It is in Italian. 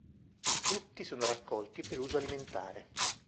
I frutti sono raccolti per uso alimentare.